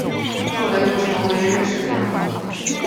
后来又成为任氏的养女。